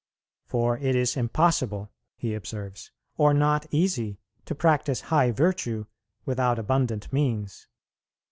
"For it is impossible," he observes, "or not easy, to practise high virtue without abundant means.